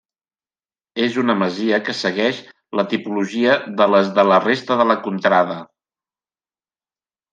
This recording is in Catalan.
És una masia que segueix la tipologia de les de la resta de la contrada.